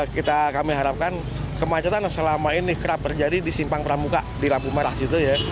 kita kami harapkan kemacetan selama ini kerap terjadi di simpang pramuka di lampu merah situ ya